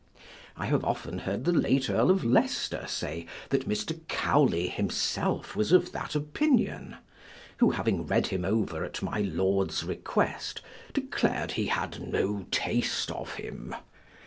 I have often heard the late Earl of Leicester say that Mr. Cowley himself was of that opinion; who having read him over at my lord's request, declar'd he had no taste of him.